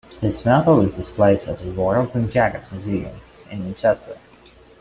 His medal is displayed at the Royal Green Jackets Museum in Winchester.